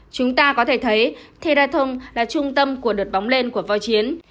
chúng ta có thể thấy theraton là trung tâm của đợt bóng lên của vòi chiến